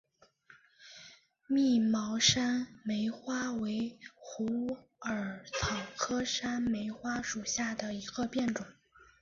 密毛山梅花为虎耳草科山梅花属下的一个变种。